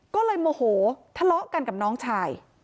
ก็เลยโมโหทะเลาะกันกับน้องชาย